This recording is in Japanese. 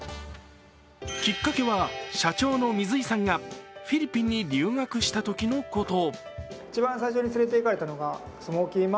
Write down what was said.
きっかけは社長の水井さんがフィリピンに留学したときのこと。